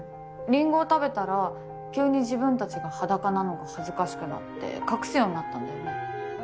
リンゴを食べたら急に自分たちが裸なのが恥ずかしくなって隠すようになったんだよね。